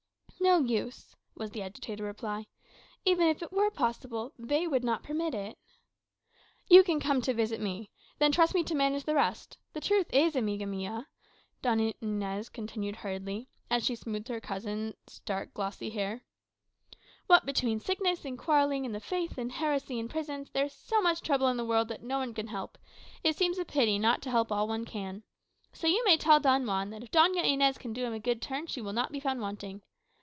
"No use," was the agitated reply. "Even were it possible, they would not permit it." "You can come to visit me. Then trust me to manage the rest. The truth is, amiga mia," Doña Inez continued hurriedly, as she smoothed her cousin's dark glossy hair, "what between sickness, and quarrelling, and the Faith, and heresy, and prisons, there is so much trouble in the world that no one can help, it seems a pity not to help all one can. So you may tell Don Juan that if Doña Inez can do him a good turn she will not be found wanting.